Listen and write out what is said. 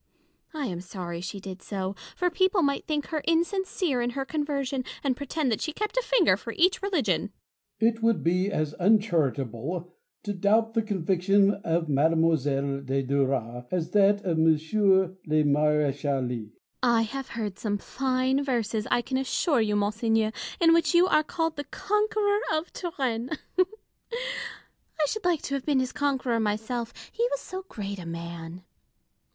I am sorry she did so ; for people might think her insincere 72 IMA GINAR V CON VERS A TIONS. in her coiivei'sion, and pretend that she kept a finger for each religion. Bossuet. It would be as uncharitable to doubt the conviction of Mademoiselle de Duras as that of M. le Mar6chali. Fontanges. I have heard some fine verses, I can assure you, monseigneur, in which you are called the conqueror of Turenne. I should like to have been his conqueror myself, he was so great a man.